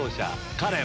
カレン！